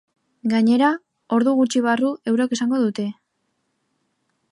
Gainera, ordu gutxi barru eurek esango dute.